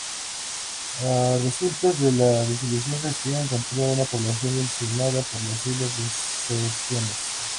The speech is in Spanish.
A resultas de la desilusión, Castilla encontró una población diezmada por las deserciones.